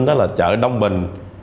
đó là chợ đông bình